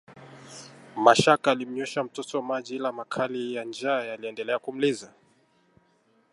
Mashaka alimnywesha mtoto maji ila makali ya njaa yaliendelea kumliza